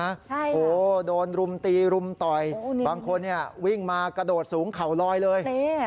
โอ้โหโดนรุมตีรุมต่อยบางคนเนี่ยวิ่งมากระโดดสูงเข่าลอยเลย